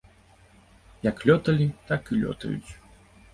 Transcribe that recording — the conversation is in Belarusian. Як лёталі, так і лётаюць.